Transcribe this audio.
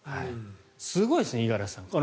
すごいですね、五十嵐さん。